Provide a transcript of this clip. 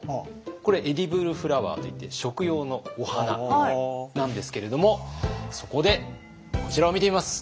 これエディブルフラワーといって食用のお花なんですけれどもそこでこちらを見てみます。